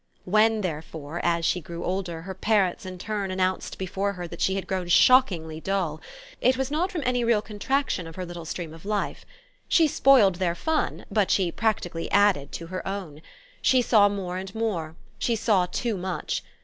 When therefore, as she grew older, her parents in turn announced before her that she had grown shockingly dull, it was not from any real contraction of her little stream of life. She spoiled their fun, but she practically added to her own. She saw more and more; she saw too much.